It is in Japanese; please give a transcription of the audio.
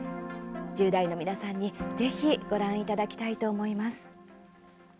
１０代の皆さんにぜひご覧いただきたいと思います。